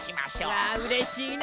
わあうれしいな！